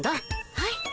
はい。